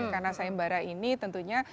karena sayembara ini tentunya